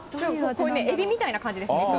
こうね、エビみたいな感じですね。